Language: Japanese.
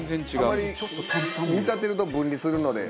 あまり煮立てると分離するので。